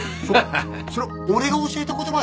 そそれ俺が教えた言葉ね